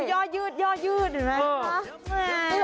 ยอยืดเห็นไหมค่ะ